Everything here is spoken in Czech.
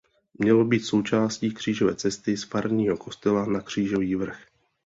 Mělo být součástí křížové cesty z farního kostela na Křížový vrch.